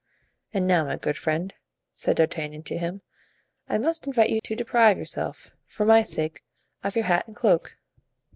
"And now, my good friend," said D'Artagnan to him, "I must invite you to deprive yourself, for my sake, of your hat and cloak."